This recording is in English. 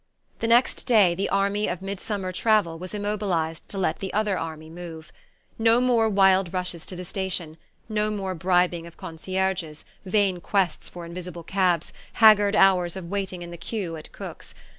The next day the army of midsummer travel was immobilized to let the other army move. No more wild rushes to the station, no more bribing of concierges, vain quests for invisible cabs, haggard hours of waiting in the queue at Cook's.